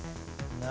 何？